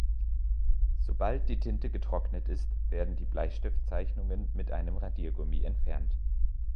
Sobald die Tinte getrocknet ist, werden die Bleistiftzeichnungen mit einem Radiergummi entfernt.